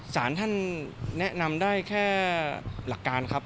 สารท่านแนะนำได้แค่หลักการครับ